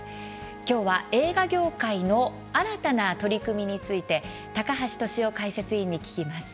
今日は、映画業界の新たな取り組みについて高橋俊雄解説委員に聞きます。